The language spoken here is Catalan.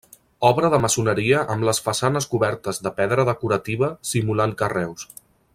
Obra de maçoneria amb les façanes cobertes de pedra decorativa simulant carreus.